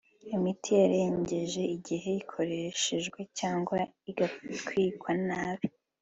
Imiti yarengeje igihe ikoreshejwe cyangwa igatwikwa nabi